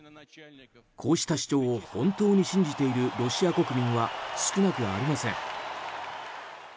こうした主張を本当に信じているロシア国民は少なくありません。